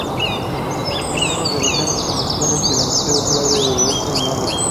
Es uno de los centros comerciales y de empleo clave al oeste de Londres.